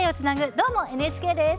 「どーも、ＮＨＫ」です。